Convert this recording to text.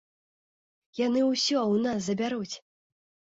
Яны ўсё ў нас забяруць!